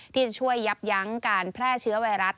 ที่จะช่วยยับยั้งการแพร่เชื้อไวรัส